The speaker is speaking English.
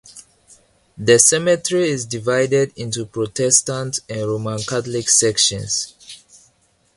The cemetery is divided into Protestant and Roman Catholic sections.